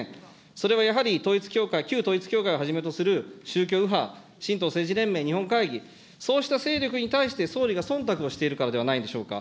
それはやはり統一教会、旧統一教会をはじめとする宗教右派、しんとう政治連盟、日本会議、そうした勢力に対して総理がそんたくをしているからではないんでしょうか。